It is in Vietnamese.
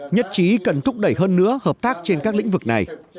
nhất trí cần thúc đẩy hơn nữa hợp tác trên các lĩnh vực này